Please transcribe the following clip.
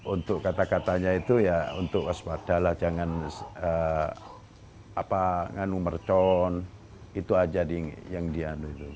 untuk kata katanya itu ya untuk waspada lah jangan nganu mercon itu aja yang dianu itu